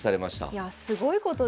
いやすごいことですね。